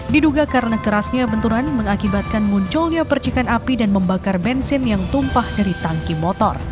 diduga karena kerasnya benturan mengakibatkan munculnya percikan api dan membakar bensin yang tumpah dari tangki motor